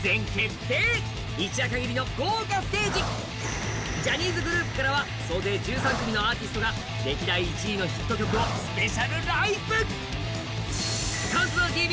そのジャニーズグループからは総勢１３組のアーティストが歴代１位のヒット曲をスペシャルライブＣＤＴＶ